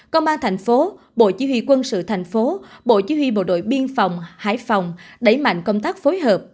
công an thành phố bộ chỉ huy quân sự thành phố bộ chỉ huy bộ đội biên phòng hải phòng đẩy mạnh công tác phối hợp